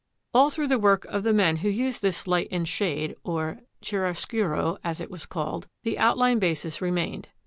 ] All through the work of the men who used this light and shade (or chiaroscuro, as it was called) the outline basis remained.